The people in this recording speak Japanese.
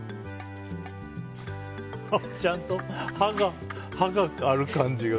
ちゃんと歯がある感じ。